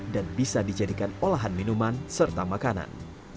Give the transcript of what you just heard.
dan bisa dijadikan olahan minuman serta makanan